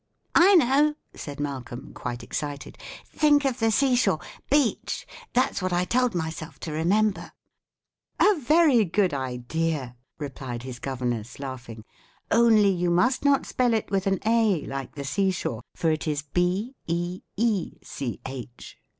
"I know!" said Malcolm, quite excited. "Think of the seashore! Beach! That's what I told myself to remember." [Illustration: AMERICAN BEECH.] "A very good idea," replied his governess, laughing; "only you must not spell it with an a, like the seashore, for it is _b e e c h.